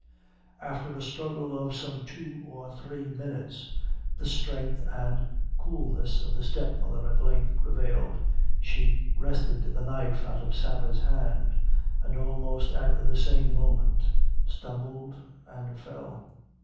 After a struggle of some two or three minutes, the strength and coolness of the step mother at length prevailed, she wrested the knife out of Sarah's hands and, almost at the same moment, stumbled and fell.